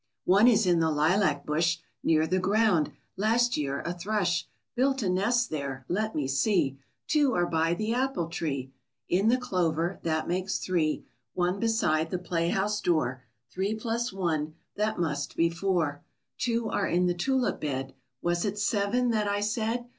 One is in the lilac bush, Near the ground last year a thrush Built a nest there let me see, Two are by the apple tree, In the clover that makes three One beside the playhouse door, Three plus one, that must be four Two are in the tulip bed Was it seven that I said?